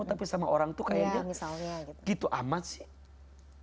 tapi sama orang tuh kayaknya gitu amat sih